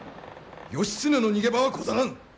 義経の逃げ場はござらん！